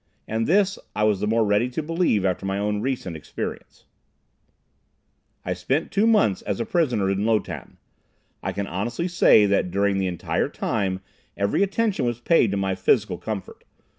And this, I was the more ready to believe after my own recent experience. I spent two months as a prisoner in Lo Tan. I can honestly say that during that entire time every attention was paid to my physical comfort.